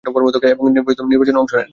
এবং নির্বাচনেও অংশ নেন।